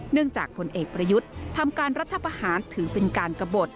จากผลเอกประยุทธ์ทำการรัฐประหารถือเป็นการกระบด